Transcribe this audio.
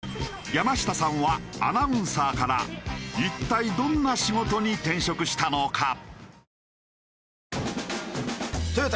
一体山下さんはアナウンサーからどんな仕事に転職したのか？